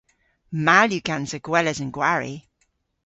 Mall yw gansa gweles an gwari.